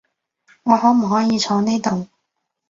我可唔可以坐呢度？